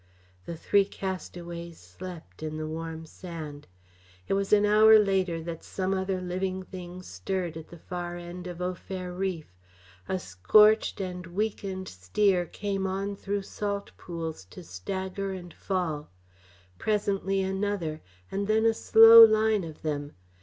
The three castaways slept in the warm sand. It was an hour later that some other living thing stirred at the far end of Au Fer reef. A scorched and weakened steer came on through salt pools to stagger and fall. Presently another, and then a slow line of them.